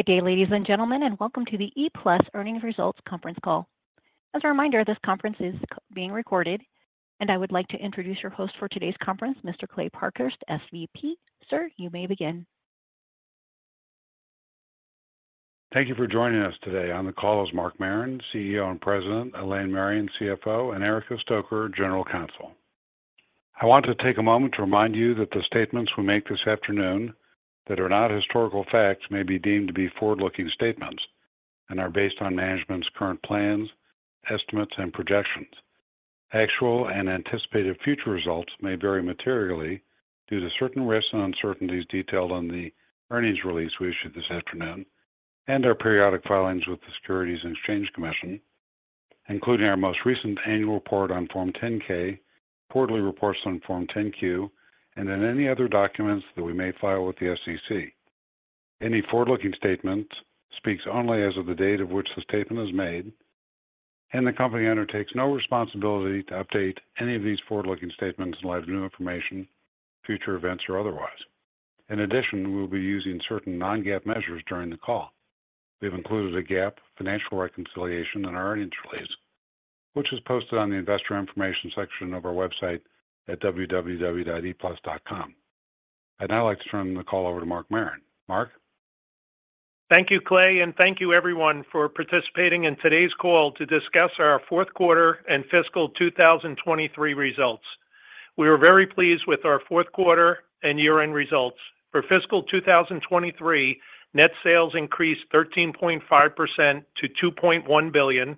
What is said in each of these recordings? Good day, ladies and gentlemen, and welcome to the ePlus Earnings Results Conference Call. As a reminder, this conference is being recorded, and I would like to introduce your host for today's conference, Mr. Kley Parkhurst, SVP. Sir, you may begin. Thank you for joining us today. On the call is Mark Marron, CEO and President, Elaine Marion, CFO, and Erica Stoecker, General Counsel. I want to take a moment to remind you that the statements we make this afternoon that are not historical facts may be deemed to be forward-looking statements and are based on management's current plans, estimates, and projections. Actual and anticipated future results may vary materially due to certain risks and uncertainties detailed on the earnings release we issued this afternoon and our periodic filings with the Securities and Exchange Commission, including our most recent annual report on Form 10-K, quarterly reports on Form 10-Q, and in any other documents that we may file with the SEC. Any forward-looking statement speaks only as of the date of which the statement is made, the company undertakes no responsibility to update any of these forward-looking statements in light of new information, future events, or otherwise. In addition, we will be using certain non-GAAP measures during the call. We have included a GAAP financial reconciliation in our earnings release, which is posted on the Investor Information section of our website at www.eplus.com. I'd now like to turn the call over to Mark Marron. Mark? Thank you, Kley, and thank you everyone for participating in today's call to discuss our fourth quarter and fiscal 2023 results. We were very pleased with our fourth quarter and year-end results. For fiscal 2023, net sales increased 13.5% to $2.1 billion.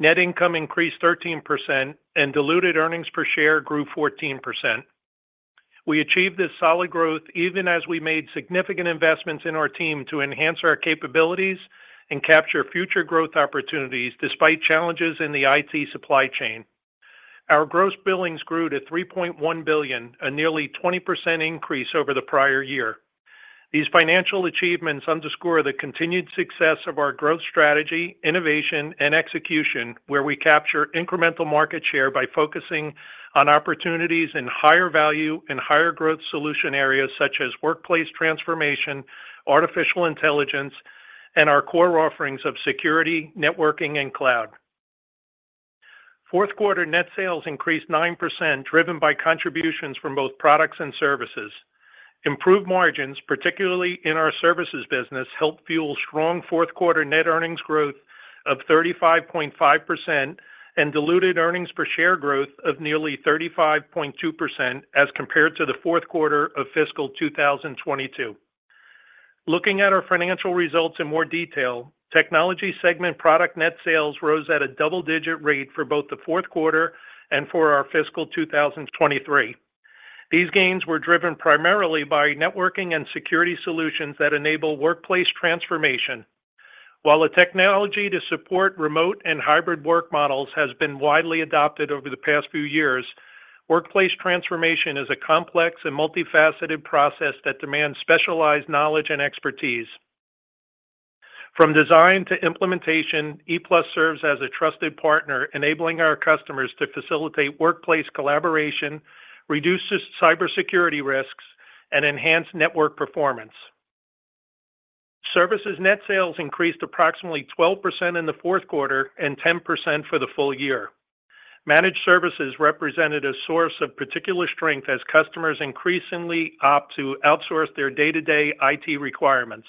Net income increased 13%, and diluted earnings per share grew 14%. We achieved this solid growth even as we made significant investments in our team to enhance our capabilities and capture future growth opportunities despite challenges in the IT supply chain. Our gross billings grew to $3.1 billion, a nearly 20% increase over the prior year. These financial achievements underscore the continued success of our growth strategy, innovation, and execution, where we capture incremental market share by focusing on opportunities in higher value and higher growth solution areas such as workplace transformation, artificial intelligence, and our core offerings of security, networking, and cloud. Fourth quarter net sales increased 9%, driven by contributions from both products and services. Improved margins, particularly in our services business, helped fuel strong fourth quarter net earnings growth of 35.5% and diluted earnings per share growth of nearly 35.2% as compared to the fourth quarter of fiscal 2022. Looking at our financial results in more detail, technology segment product net sales rose at a double-digit rate for both the fourth quarter and for our fiscal 2023. These gains were driven primarily by networking and security solutions that enable workplace transformation. While the technology to support remote and hybrid work models has been widely adopted over the past few years, workplace transformation is a complex and multifaceted process that demands specialized knowledge and expertise. From design to implementation, ePlus serves as a trusted partner, enabling our customers to facilitate workplace collaboration, reduce cybersecurity risks, and enhance network performance. Services net sales increased approximately 12% in the fourth quarter and 10% for the full year. Managed services represented a source of particular strength as customers increasingly opt to outsource their day-to-day IT requirements.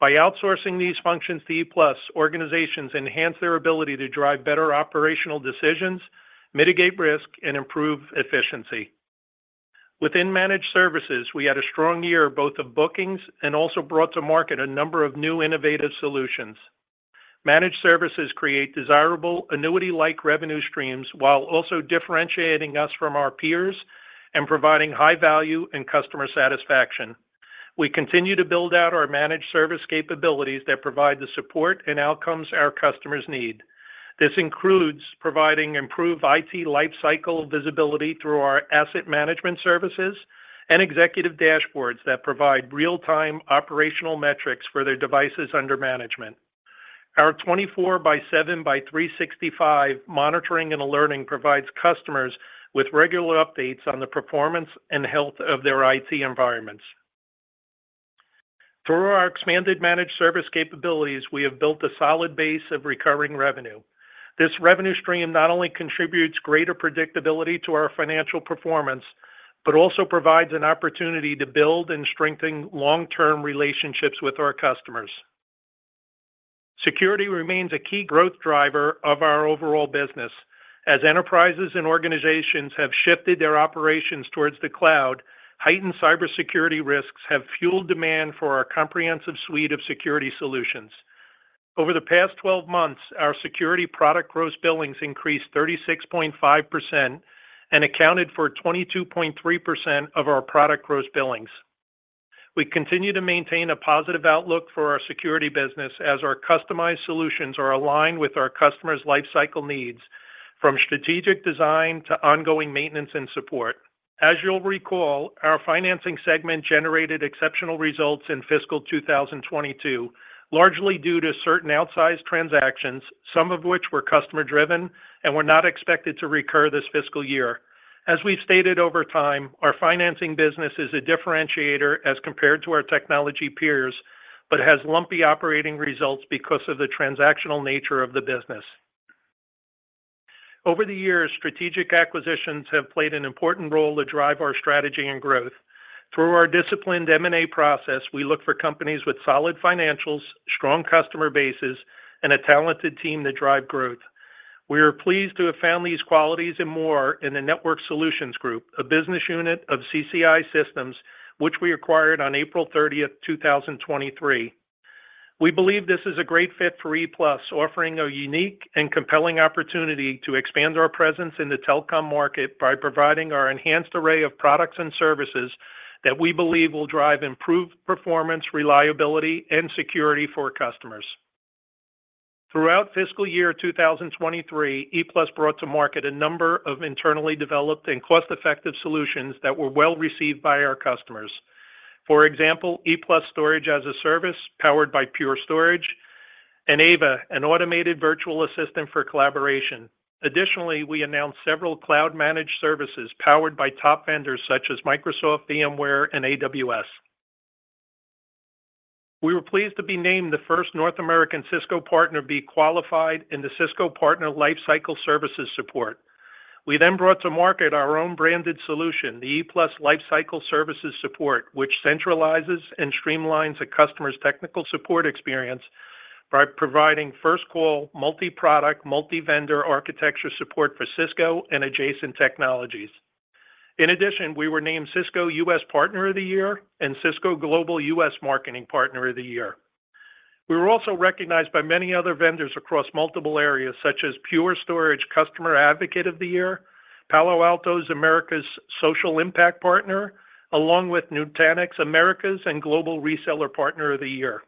By outsourcing these functions to ePlus, organizations enhance their ability to drive better operational decisions, mitigate risk, and improve efficiency. Within managed services, we had a strong year both of bookings and also brought to market a number of new innovative solutions. Managed services create desirable annuity-like revenue streams while also differentiating us from our peers and providing high value and customer satisfaction. We continue to build out our managed service capabilities that provide the support and outcomes our customers need. This includes providing improved IT lifecycle visibility through our asset management services, and executive dashboards that provide real-time operational metrics for their devices under management. Our 24x7x365 monitoring and alerting provides customers with regular updates on the performance and health of their IT environments. Through our expanded managed service capabilities, we have built a solid base of recurring revenue. This revenue stream not only contributes greater predictability to our financial performance, but also provides an opportunity to build and strengthen long-term relationships with our customers. Security remains a key growth driver of our overall business. As enterprises and organizations have shifted their operations towards the cloud, heightened cybersecurity risks have fueled demand for our comprehensive suite of security solutions. Over the past 12 months, our security product gross billings increased 36.5% and accounted for 22.3% of our product gross billings. We continue to maintain a positive outlook for our security business as our customized solutions are aligned with our customers' lifecycle needs from strategic design to ongoing maintenance and support. As you'll recall, our financing segment generated exceptional results in fiscal 2022, largely due to certain outsized transactions, some of which were customer-driven and were not expected to recur this fiscal year. As we've stated over time, our financing business is a differentiator as compared to our technology peers, but has lumpy operating results because of the transactional nature of the business. Over the years, strategic acquisitions have played an important role to drive our strategy and growth. Through our disciplined M&A process, we look for companies with solid financials, strong customer bases, and a talented team that drive growth. We are pleased to have found these qualities and more in the Network Solutions Group, a business unit of CCI Systems, which we acquired on April 30th, 2023. We believe this is a great fit for ePlus, offering a unique and compelling opportunity to expand our presence in the telecom market by providing our enhanced array of products and services that we believe will drive improved performance, reliability, and security for customers. Throughout fiscal year 2023, ePlus brought to market a number of internally developed and cost-effective solutions that were well received by our customers. For example, ePlus Storage-as-a-Service, powered by Pure Storage, and AVA, an Automated Virtual Assistant for collaboration. We announced several cloud-managed services powered by top vendors such as Microsoft, VMware, and AWS. We were pleased to be named the first North American Cisco partner to be qualified in the Cisco Partner Lifecycle Services - Support. We then brought to market our own branded solution, the ePlus Lifecycle Services Support, which centralizes and streamlines a customer's technical support experience by providing first call, multi-product, multi-vendor architecture support for Cisco and adjacent technologies. We were named Cisco U.S. Partner of the Year and Cisco Global US Marketing Partner of the Year. We were also recognized by many other vendors across multiple areas such as Pure Storage Customer Advocate of the Year, Palo Alto's Americas Social Impact Partner, along with Nutanix Americas and Global Reseller Partner of the Year.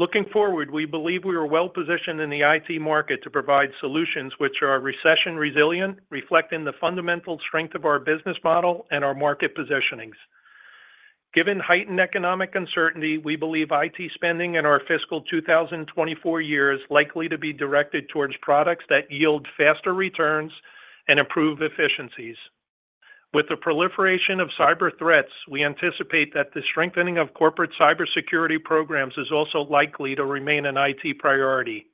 Looking forward, we believe we are well-positioned in the IT market to provide solutions which are recession resilient, reflecting the fundamental strength of our business model and our market positionings. Given heightened economic uncertainty, we believe IT spending in our fiscal 2024 year is likely to be directed towards products that yield faster returns and improve efficiencies. With the proliferation of cyber threats, we anticipate that the strengthening of corporate cybersecurity programs is also likely to remain an IT priority.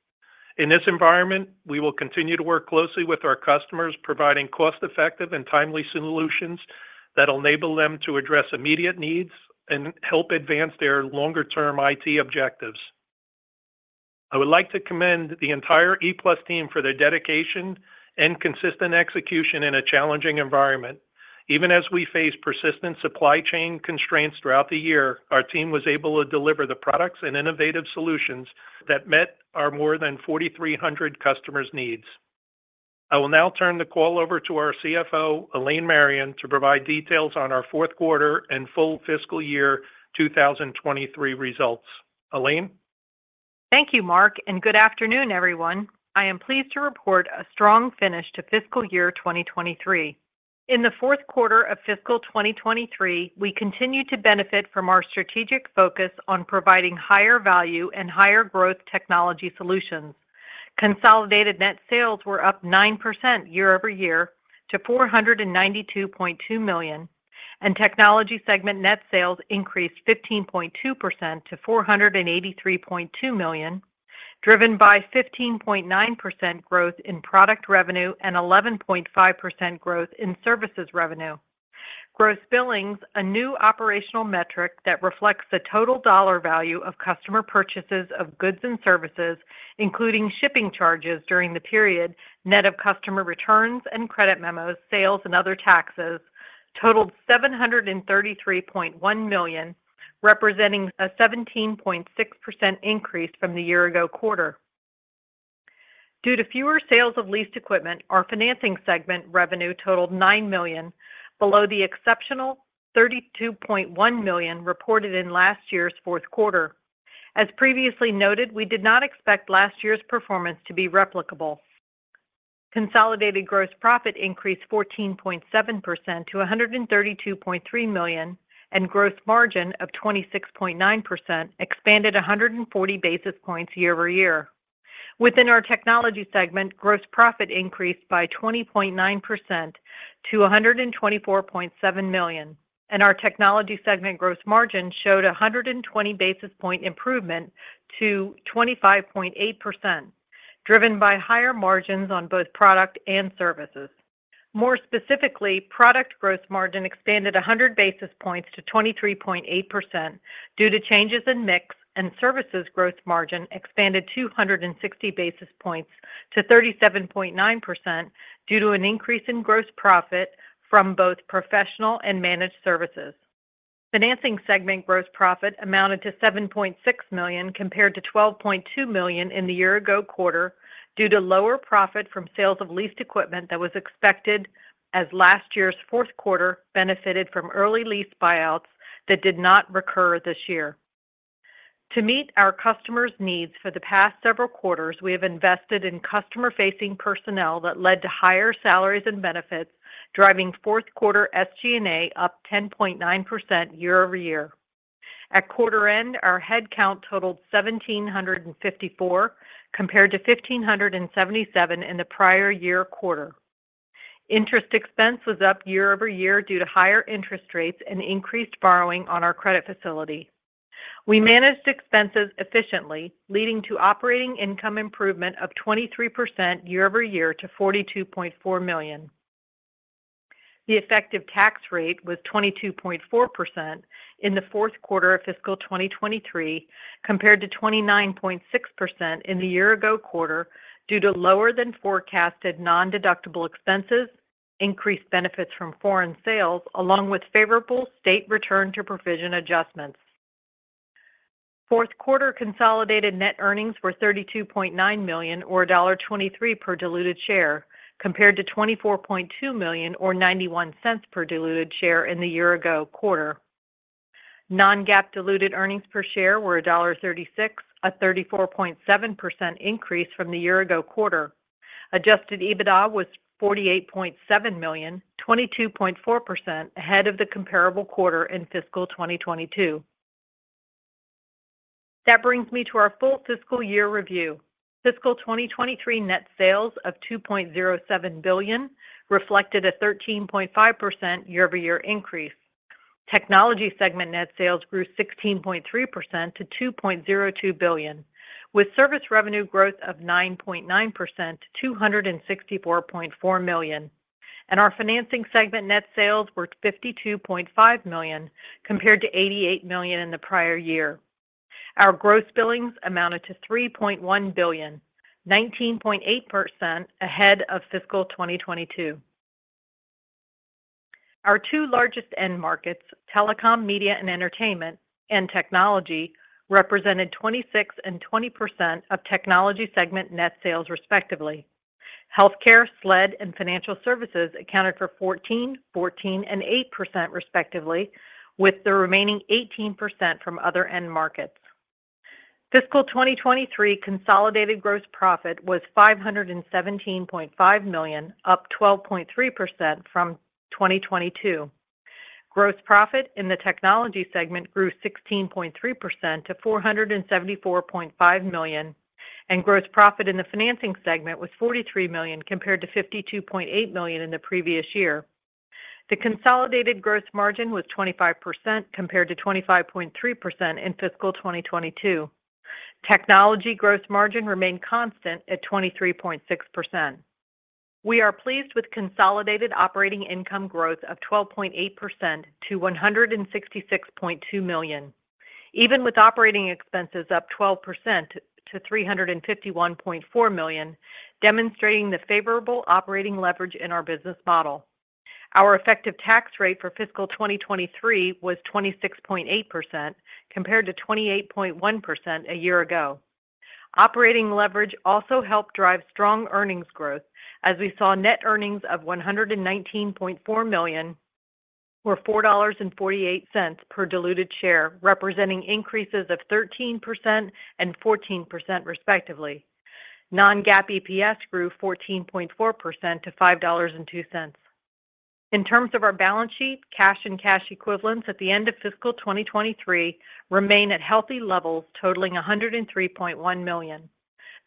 In this environment, we will continue to work closely with our customers, providing cost-effective and timely solutions that enable them to address immediate needs and help advance their longer-term IT objectives. I would like to commend the entire ePlus team for their dedication and consistent execution in a challenging environment. Even as we face persistent supply chain constraints throughout the year, our team was able to deliver the products and innovative solutions that met our more than 4,300 customers' needs. I will now turn the call over to our CFO, Elaine Marion, to provide details on our fourth quarter and full fiscal year 2023 results. Elaine? Thank you, Mark. Good afternoon, everyone. I am pleased to report a strong finish to fiscal year 2023. In the fourth quarter of fiscal 2023, we continued to benefit from our strategic focus on providing higher value and higher growth technology solutions. Consolidated net sales were up 9% year-over-year to $492.2 million, and technology segment net sales increased 15.2% to $483.2 million, driven by 15.9% growth in product revenue and 11.5% growth in services revenue. Gross billings, a new operational metric that reflects the total dollar value of customer purchases of goods and services, including shipping charges during the period, net of customer returns and credit memos, sales and other taxes, totaled $733.1 million, representing a 17.6% increase from the year-ago quarter. Due to fewer sales of leased equipment, our financing segment revenue totaled $9 million, below the exceptional $32.1 million reported in last year's fourth quarter. As previously noted, we did not expect last year's performance to be replicable. Consolidated gross profit increased 14.7% to $132.3 million, and gross margin of 26.9% expanded 140 basis points year-over-year. Within our technology segment, gross profit increased by 20.9% to $124.7 million. Our Technology segment gross margin showed a 120 basis point improvement to 25.8%, driven by higher margins on both product and services. More specifically, product gross margin expanded 100 basis points to 23.8% due to changes in mix. Services gross margin expanded 260 basis points to 37.9% due to an increase in gross profit from both professional and managed services. Financing segment gross profit amounted to $7.6 million compared to $12.2 million in the year ago quarter due to lower profit from sales of leased equipment that was expected as last year's fourth quarter benefited from early lease buyouts that did not recur this year. To meet our customers' needs for the past several quarters, we have invested in customer-facing personnel that led to higher salaries and benefits, driving fourth quarter SG&A up 10.9% year-over-year. At quarter-end, our headcount totaled 1,754 compared to 1,577 in the prior year quarter. Interest expense was up year-over-year due to higher interest rates and increased borrowing on our credit facility. We managed expenses efficiently, leading to operating income improvement of 23% year-over-year to $42.4 million. The effective tax rate was 22.4% in the fourth quarter of fiscal 2023, compared to 29.6% in the year-ago quarter due to lower than forecasted nondeductible expenses, increased benefits from foreign sales, along with favorable state return to provision adjustments. Fourth quarter consolidated net earnings were $32.9 million, or $1.23 per diluted share, compared to $24.2 million, or $0.91 per diluted share in the year-ago quarter. non-GAAP diluted earnings per share were $1.36, a 34.7% increase from the year-ago quarter. Adjusted EBITDA was $48.7 million, 22.4% ahead of the comparable quarter in fiscal 2022. That brings me to our full fiscal year review. Fiscal 2023 net sales of $2.07 billion reflected a 13.5% year-over-year increase. Technology segment net sales grew 16.3% to $2.02 billion, with service revenue growth of 9.9% to $264.4 million. Our Financing segment net sales were $52.5 million compared to $88 million in the prior year. Our gross billings amounted to $3.1 billion, 19.8% ahead of fiscal 2022. Our two largest end markets, telecom, media and entertainment and technology, represented 26% and 20% of technology segment net sales, respectively. Healthcare, SLED, and financial services accounted for 14%, 14%, and 8% respectively, with the remaining 18% from other end markets. Fiscal 2023 consolidated gross profit was $517.5 million, up 12.3% from 2022. Gross profit in the Technology segment grew 16.3% to $474.5 million, and gross profit in the Financing segment was $43 million compared to $52.8 million in the previous year. The consolidated gross margin was 25% compared to 25.3% in fiscal 2022. Technology gross margin remained constant at 23.6%. We are pleased with consolidated operating income growth of 12.8% to $166.2 million. Even with operating expenses up 12% to $351.4 million, demonstrating the favorable operating leverage in our business model. Our effective tax rate for fiscal 2023 was 26.8% compared to 28.1% a year ago. Operating leverage also helped drive strong earnings growth as we saw net earnings of $119.4 million, or $4.48 per diluted share, representing increases of 13% and 14% respectively. Non-GAAP EPS grew 14.4% to $5.02. In terms of our balance sheet, cash and cash equivalents at the end of fiscal 2023 remain at healthy levels, totaling $103.1 million.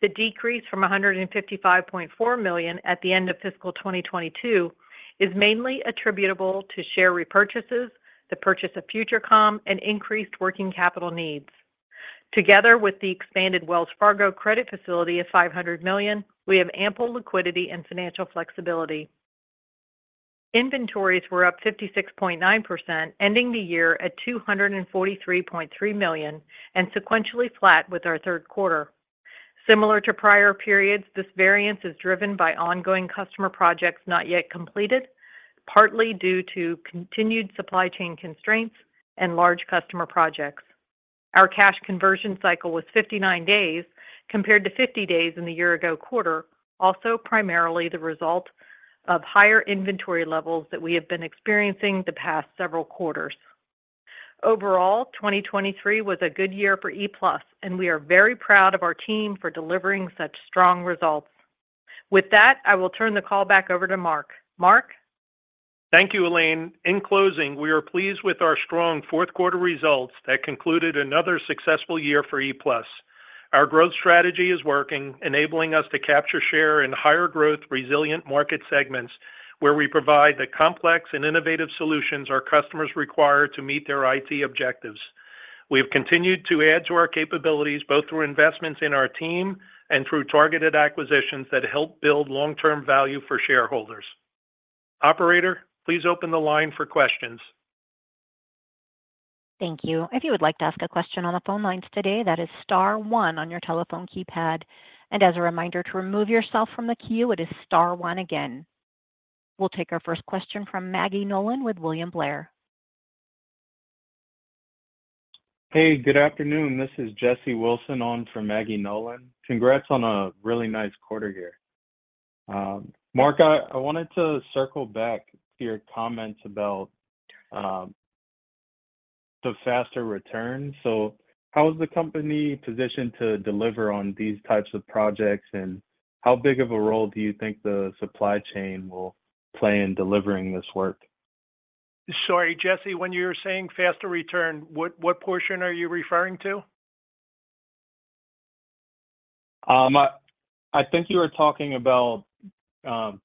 The decrease from $155.4 million at the end of fiscal 2022 is mainly attributable to share repurchases, the purchase of Future Com, and increased working capital needs. Together with the expanded Wells Fargo credit facility of $500 million, we have ample liquidity and financial flexibility. Inventories were up 56.9%, ending the year at $243.3 million and sequentially flat with our third quarter. Similar to prior periods, this variance is driven by ongoing customer projects not yet completed, partly due to continued supply chain constraints and large customer projects. Our cash conversion cycle was 59 days compared to 50 days in the year-ago quarter, also primarily the result of higher inventory levels that we have been experiencing the past several quarters. Overall, 2023 was a good year for ePlus, and we are very proud of our team for delivering such strong results. With that, I will turn the call back over to Mark. Mark? Thank you, Elaine. In closing, we are pleased with our strong fourth quarter results that concluded another successful year for ePlus. Our growth strategy is working, enabling us to capture share in higher growth, resilient market segments, where we provide the complex and innovative solutions our customers require to meet their IT objectives. We have continued to add to our capabilities, both through investments in our team and through targeted acquisitions that help build long-term value for shareholders. Operator, please open the line for questions. Thank you. If you would like to ask a question on the phone lines today, that is star one on your telephone keypad. As a reminder, to remove yourself from the queue, it is star one again. We'll take our first question from Maggie Nolan with William Blair. Hey, good afternoon. This is Jesse Wilson on for Maggie Nolan. Congrats on a really nice quarter here. Mark, I wanted to circle back to your comments about the faster return. How is the company positioned to deliver on these types of projects, and how big of a role do you think the supply chain will play in delivering this work? Sorry, Jesse, when you're saying faster return, what portion are you referring to? I think you were talking about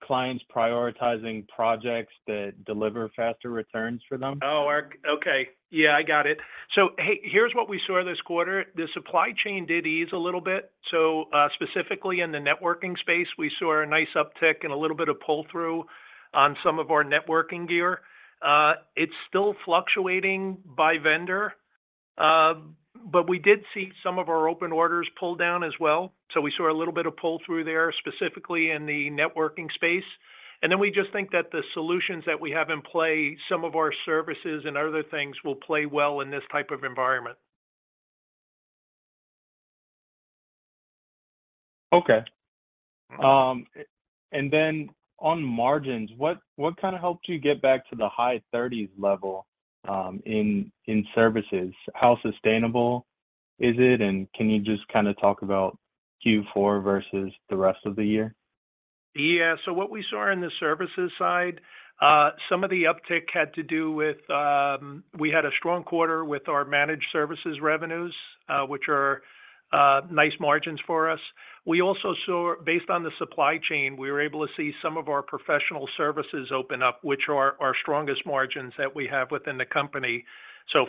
clients prioritizing projects that deliver faster returns for them. Okay. Yeah, I got it. Here's what we saw this quarter. The supply chain did ease a little bit. Specifically in the networking space, we saw a nice uptick and a little bit of pull-through on some of our networking gear. It's still fluctuating by vendor, but we did see some of our open orders pull down as well. We saw a little bit of pull-through there, specifically in the networking space. We just think that the solutions that we have in play, some of our services and other things will play well in this type of environment. Okay. and then on margins, what kind of helped you get back to the high 30s level, in services? How sustainable is it? Can you just kinda talk about Q4 versus the rest of the year? Yeah. What we saw in the services side, some of the uptick had to do with, we had a strong quarter with our managed services revenues, which are nice margins for us. Based on the supply chain, we were able to see some of our professional services open up, which are our strongest margins that we have within the company.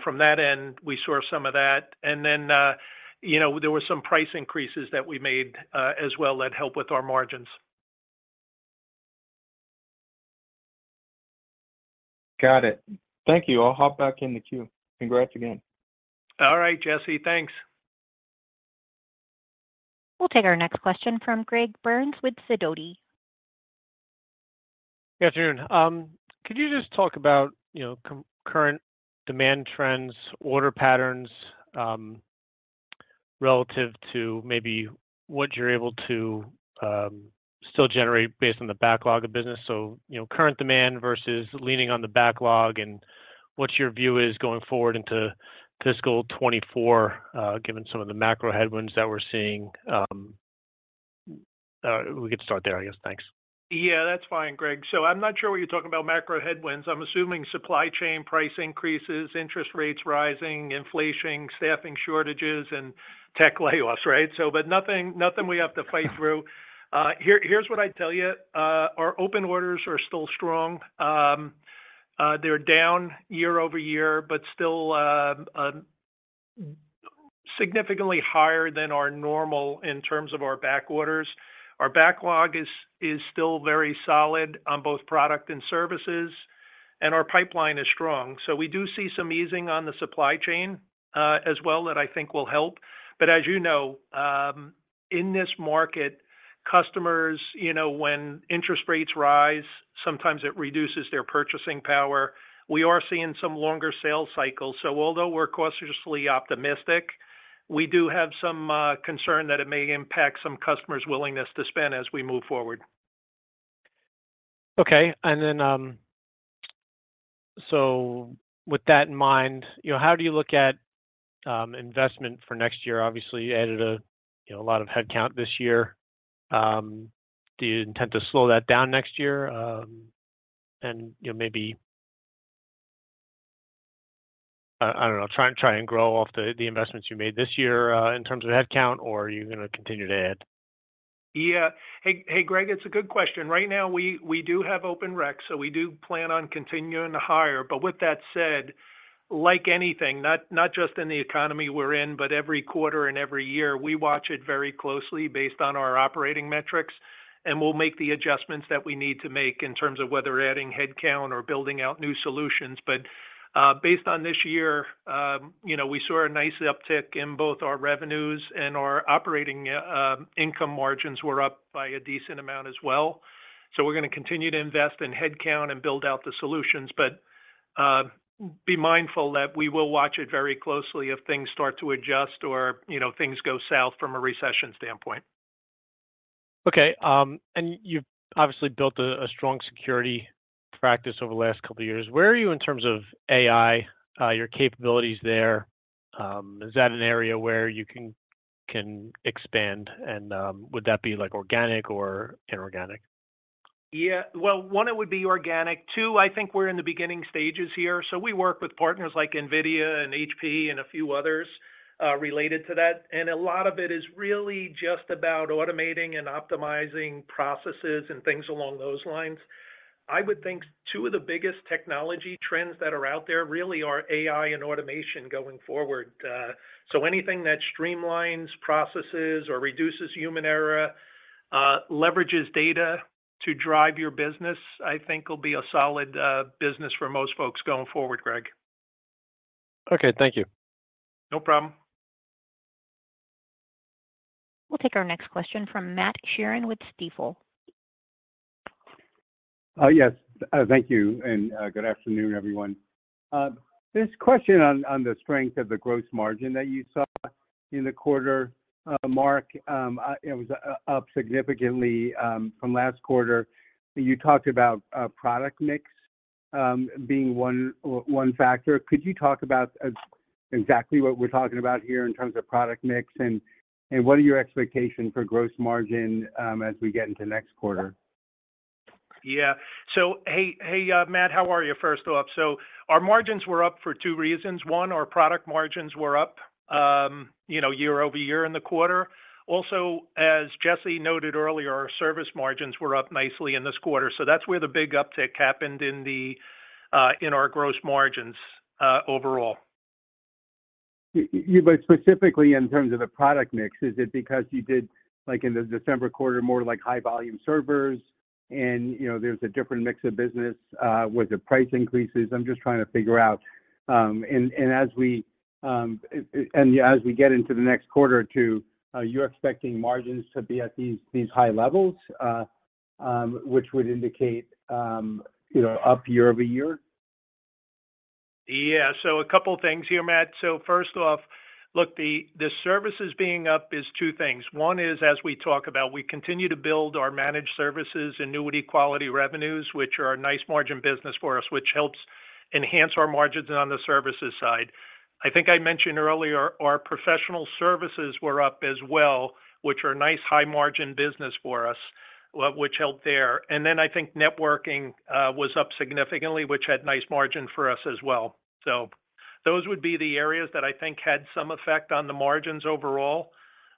From that end, we saw some of that. You know, there were some price increases that we made, as well, that help with our margins. Got it. Thank you. I'll hop back in the queue. Congrats again. All right, Jesse. Thanks. We'll take our next question from Greg Burns with Sidoti. Good afternoon. Could you just talk about, you know, current demand trends, order patterns, relative to maybe what you're able to, still generate based on the backlog of business? You know, current demand versus leaning on the backlog, and what your view is going forward into fiscal 2024, given some of the macro headwinds that we're seeing? We could start there, I guess. Thanks. Yeah, that's fine, Greg. I'm not sure what you're talking about macro headwinds. I'm assuming supply chain price increases, interest rates rising, inflation, staffing shortages, and tech layoffs, right? Nothing we have to fight through. Here's what I'd tell you. Our open orders are still strong. They're down year-over-year, but still significantly higher than our normal in terms of our back orders. Our backlog is still very solid on both product and services, and our pipeline is strong. We do see some easing on the supply chain, as well that I think will help. As you know, in this market, customers, you know, when interest rates rise, sometimes it reduces their purchasing power. We are seeing some longer sales cycles. Although we're cautiously optimistic, we do have some concern that it may impact some customers' willingness to spend as we move forward. Okay. Then, with that in mind, you know, how do you look at investment for next year? Obviously, you added a, you know, lot of headcount this year. Do you intend to slow that down next year, and, you know, maybe, I don't know, try and grow off the investments you made this year, in terms of headcount, or are you gonna continue to add? Yeah. Hey, Greg, it's a good question. Right now, we do have open recs, we do plan on continuing to hire. With that said, like anything, not just in the economy we're in, but every quarter and every year, we watch it very closely based on our operating metrics, and we'll make the adjustments that we need to make in terms of whether adding headcount or building out new solutions. Based on this year, you know, we saw a nice uptick in both our revenues and our operating income margins were up by a decent amount as well. We're gonna continue to invest in headcount and build out the solutions. Be mindful that we will watch it very closely if things start to adjust or, you know, things go south from a recession standpoint. Okay. You've obviously built a strong security practice over the last couple of years. Where are you in terms of AI, your capabilities there? Is that an area where you can expand? Would that be, like, organic or inorganic? Yeah. Well, one, it would be organic. Two, I think we're in the beginning stages here. We work with partners like NVIDIA and HP and a few others, related to that, and a lot of it is really just about automating and optimizing processes and things along those lines. I would think two of the biggest technology trends that are out there really are AI and automation going forward. Anything that streamlines processes or reduces human error, leverages data to drive your business, I think will be a solid business for most folks going forward, Greg. Okay, thank you. No problem. We'll take our next question from Matt Sheerin with Stifel. Yes. Thank you. Good afternoon, everyone. This question on the strength of the gross margin that you saw in the quarter, Mark, it was up significantly from last quarter. You talked about product mix being one factor. Could you talk about exactly what we're talking about here in terms of product mix, and what are your expectation for gross margin as we get into next quarter? Hey, Matt, how are you, first off? Our margins were up for two reasons. One, our product margins were up, you know, year-over-year in the quarter. As Jesse noted earlier, our service margins were up nicely in this quarter, so that's where the big uptick happened in the, in our gross margins, overall. Specifically in terms of the product mix, is it because you did, like in the December quarter, more, like, high-volume servers and, you know, there's a different mix of business with the price increases? I'm just trying to figure out, and as we get into the next quarter or two, are you expecting margins to be at these high levels, which would indicate, you know, up year-over-year? A couple things here, Matt. First off, the services being up is two things. One is, as we talk about, we continue to build our managed services annuity-quality revenues, which are a nice margin business for us, which helps enhance our margins on the services side. I think I mentioned earlier, our professional services were up as well, which are a nice high-margin business for us, which helped there. I think networking was up significantly, which had nice margin for us as well. Those would be the areas that I think had some effect on the margins overall.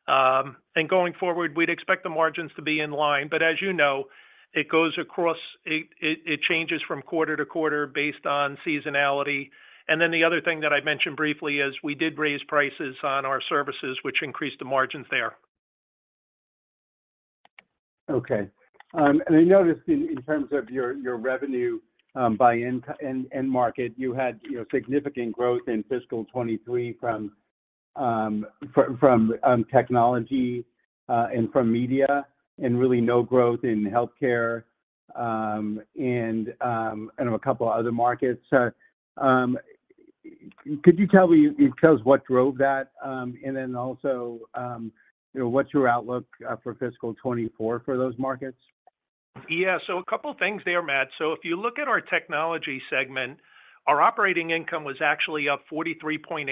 Going forward, we'd expect the margins to be in line. As you know, it changes from quarter to quarter based on seasonality. The other thing that I mentioned briefly is we did raise prices on our services, which increased the margins there. Okay. I noticed in terms of your revenue, by end market, you had, you know, significant growth in fiscal 2023 from technology, and from media, and really no growth in healthcare, and a couple other markets. Could you tell us what drove that? Then also, you know, what's your outlook, for fiscal 2024 for those markets? Yeah. A couple things there, Matt. If you look at our Technology segment, our operating income was actually up 43.8%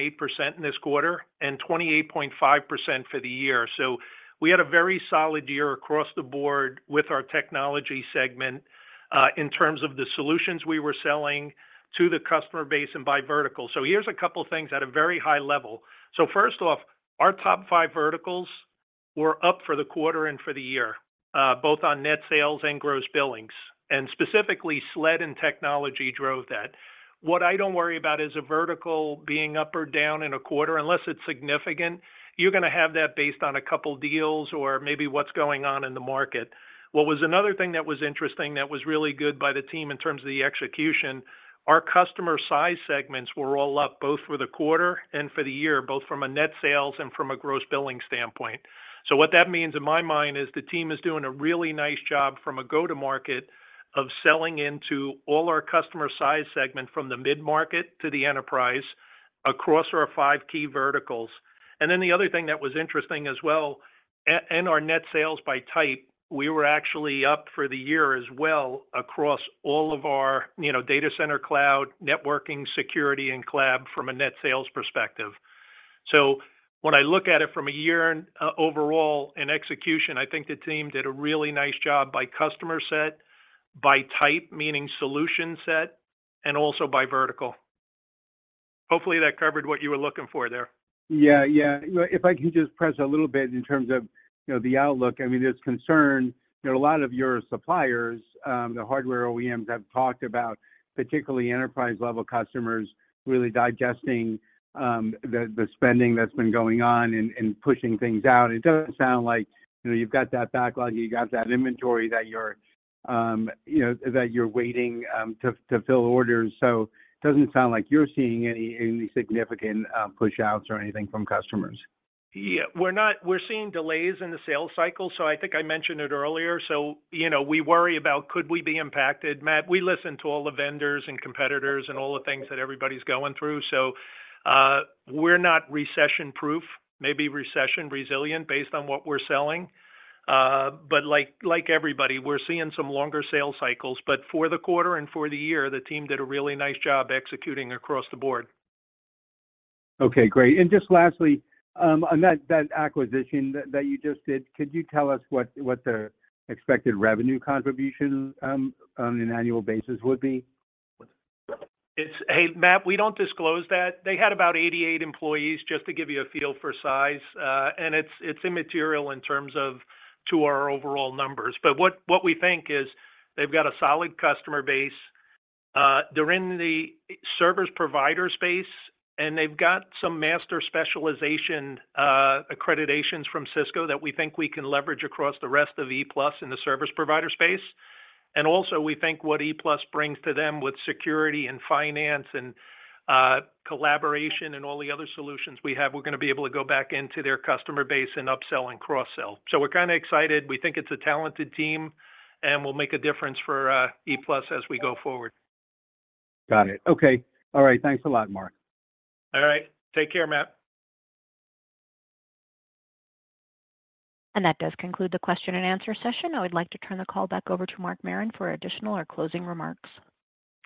this quarter and 28.5% for the year. We had a very solid year across the board with our Technology segment, in terms of the solutions we were selling to the customer base and by vertical. Here's a couple things at a very high level. First off, our top five verticals were up for the quarter and for the year, both on net sales and gross billings. Specifically, SLED and technology drove that. What I don't worry about is a vertical being up or down in a quarter, unless it's significant. You're gonna have that based on a couple deals or maybe what's going on in the market. What was another thing that was interesting that was really good by the team in terms of the execution, our customer size segments were all up, both for the quarter and for the year, both from a net sales and from a gross billings standpoint. What that means in my mind is the team is doing a really nice job from a go-to-market of selling into all our customer size segment from the mid-market to the enterprise across our five key verticals. The other thing that was interesting as well, our net sales by type, we were actually up for the year as well across all of our, you know, data center, cloud, networking, security, and cloud from a net sales perspective. When I look at it from a year, overall in execution, I think the team did a really nice job by customer set, by type, meaning solution set, and also by vertical. Hopefully that covered what you were looking for there. Yeah. Yeah. If I can just press a little bit in terms of, you know, the outlook. I mean, there's concern, you know, a lot of your suppliers, the hardware OEMs have talked about, particularly enterprise-level customers really digesting the spending that's been going on and pushing things out. It doesn't sound like, you know, you've got that backlog, you got that inventory that you're, you know, that you're waiting to fill orders. It doesn't sound like you're seeing any significant push-outs or anything from customers. Yeah. We're not seeing delays in the sales cycle, so I think I mentioned it earlier. You know, we worry about could we be impacted. Matt, we listen to all the vendors and competitors and all the things that everybody's going through, so we're not recession-proof, maybe recession-resilient based on what we're selling. Like, like everybody, we're seeing some longer sales cycles. For the quarter and for the year, the team did a really nice job executing across the board. Okay, great. Just lastly, on that acquisition that you just did, could you tell us what the expected revenue contribution, on an annual basis would be? Hey, Matt, we don't disclose that. They had about 88 employees, just to give you a feel for size. It's, it's immaterial in terms of to our overall numbers. What we think is they've got a solid customer base. They're in the service provider space, they've got some master specialization accreditations from Cisco that we think we can leverage across the rest of ePlus in the service provider space. Also, we think what ePlus brings to them with security and finance and collaboration and all the other solutions we have, we're gonna be able to go back into their customer base and upsell and cross-sell. We're kinda excited. We think it's a talented team, and will make a difference for ePlus as we go forward. Got it. Okay. All right. Thanks a lot, Mark. All right. Take care, Matt. That does conclude the question-and-answer session. I would like to turn the call back over to Mark Marron for additional or closing remarks.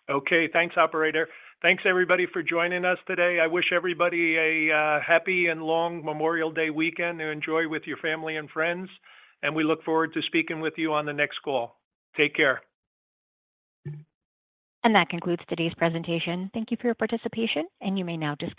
Okay. Thanks, operator. Thanks everybody for joining us today. I wish everybody a happy and long Memorial Day weekend to enjoy with your family and friends. We look forward to speaking with you on the next call. Take care. That concludes today's presentation. Thank you for your participation, and you may now disconnect.